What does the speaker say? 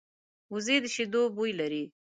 وزې د شیدو بوی لري